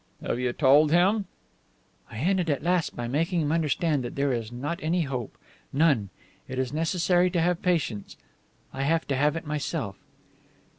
Have you told him?" "I ended at last by making him understand that there is not any hope. None. It is necessary to have patience. I have to have it myself."